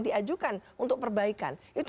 diajukan untuk perbaikan itu